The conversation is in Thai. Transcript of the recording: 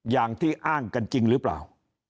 อย่างที่อ้างกันจริงหรือเปล่า